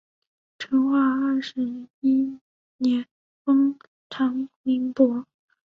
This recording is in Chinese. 成化二十一年封长宁伯。